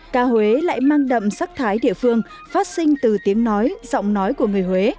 ca huế lại mang đậm sắc thái địa phương phát sinh từ tiếng nói giọng nói của người huế